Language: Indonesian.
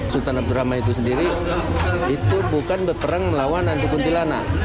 sultan abdurrahman itu sendiri itu bukan berperang melawan anti kuntilanak